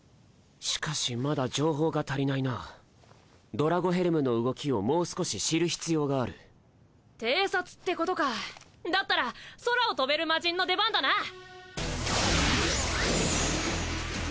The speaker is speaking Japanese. しかしまだ情報が足りないなドラゴヘルムの動きをもう少し知る必要がある偵察ってことかだったら空を飛べるマジンの出番だな！